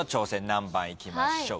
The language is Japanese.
何番いきましょう？